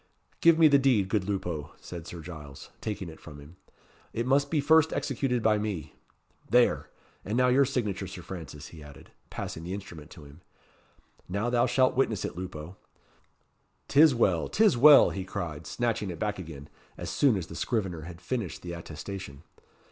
"Give me the deed, good Lupo," said Sir Giles, taking it from him. "It must be first executed by me there! and now your signature, Sir Francis," he added, passing the instrument to him. "Now thou shalt witness it, Lupo. 'Tis well! 'tis well!" he cried, snatching it back again, as soon as the scrivener had finished the attestation.